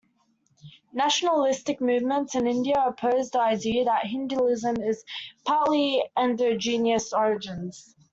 Nationalistic movements in India oppose the idea that Hinduism has partly endogenous origins.